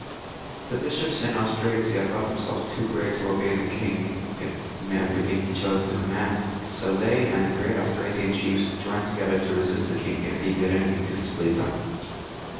The bishops in Austrasia thought themselves too great to obey the king in every thing he chose to command, so they and the great Austra sian chiefs joined together to resist the king if he did anything to displease them.